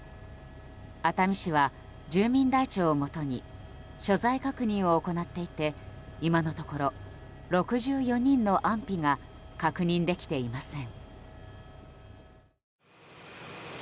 熱海市は住民台帳をもとに所在確認を行っていて今のところ、６４人の安否が確認できていません。